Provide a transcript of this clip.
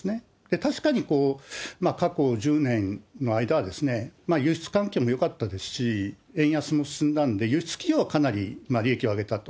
確かにこう、過去１０年の間は輸出環境もよかったですし、円安も進んだんで、輸出企業は利益を上げたと。